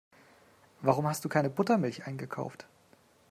Warum hast du keine Buttermilch eingekauft?